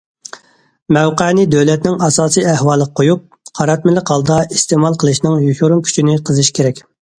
مەۋقەنى دۆلەتنىڭ ئاساسىي ئەھۋالىغا قويۇپ، قاراتمىلىق ھالدا ئىستېمال قىلىشنىڭ يوشۇرۇن كۈچىنى قېزىش كېرەك.